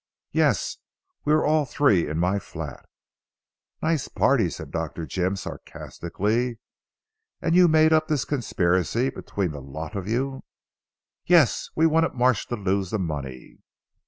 "Yes. We were all three in my flat." "Nice party," said Dr. Jim sarcastically, "and you made up this conspiracy between the lot of you?" "Yes! We wanted Marsh to lose the money."